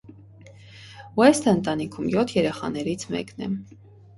Ուեսթը ընտանիքում յոթ երեխաներից մեկն է։